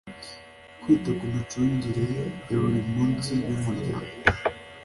kwita ku micungire ya buri munsi y umuryango